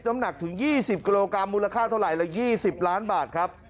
หนักถึง๒๐กิโลกรัมมูลค่าเท่าไหร่ละ๒๐ล้านบาทครับ